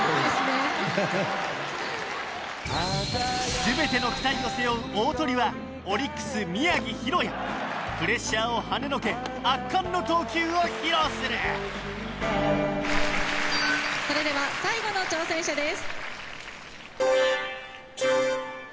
全ての期待を背負う大トリはプレッシャーをはねのけ圧巻の投球を披露するそれでは最後の挑戦者です。